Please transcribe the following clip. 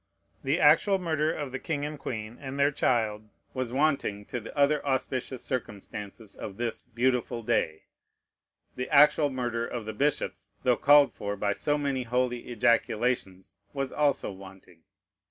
The actual murder of the king and queen, and their child, was wanting to the other auspicious circumstances of this "beautiful day". The actual murder of the bishops, though called for by so many holy ejaculations, was also wanting.